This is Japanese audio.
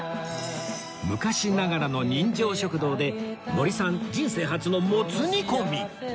昔ながらの人情食堂で森さん人生初のもつ煮込み